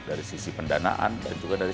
dari sisi pendanaan dan juga dari